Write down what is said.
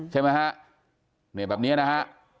ใช่ไหมฮะแบบนี้นะฮะ